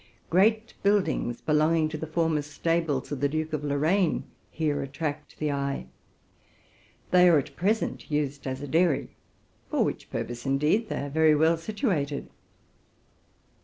Great buildings, belonging to the former stables of the Duke of Lorraine, here attract the eye: they are at present used as a dairy, for which purpose, indeed, they are very well situated.